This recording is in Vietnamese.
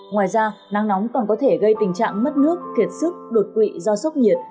ngoài ra nắng nóng còn có thể gây tình trạng mất nước kiệt sức đột quỵ do sốc nhiệt